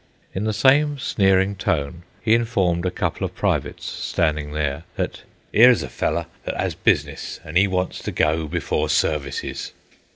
In the same sneering tone he informed a couple of privates standing there that "'ere is a fellow that 'as business an' 'e wants to go before services."